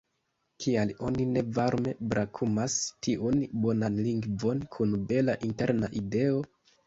Kial oni ne varme brakumas tiun bonan lingvon kun bela interna ideo?